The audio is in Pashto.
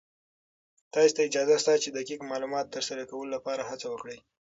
تاسې ته اجازه شته چې د دقيق معلوماتو تر سره کولو لپاره هڅې وکړئ.